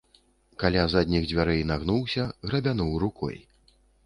Каля задніх дзвярэй нагнуўся, грабянуў рукой.